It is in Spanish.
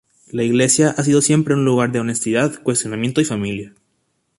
La iglesia ha sido siempre un lugar de honestidad, cuestionamiento y familia.